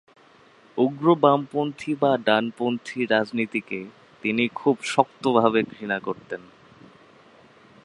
উগ্র বামপন্থী বা ডানপন্থী রাজনীতিকে তিনি খুব শক্তভাবে ঘৃণা করতেন।